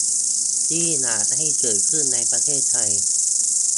ที่อยากให้เกิดขึ้นในประเทศไทย